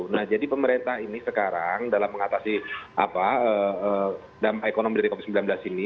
nah jadi pemerintah ini sekarang dalam mengatasi ekonomi dari covid sembilan belas ini